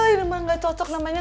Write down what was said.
ini mah gak cocok namanya